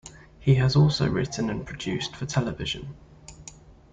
He has also written and produced for television.